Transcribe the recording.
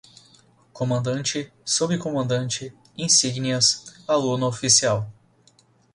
Comandante, Subcomandante, insígnias, Aluno-oficial